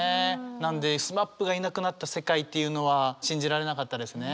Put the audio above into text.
なんでＳＭＡＰがいなくなった世界っていうのは信じられなかったですね。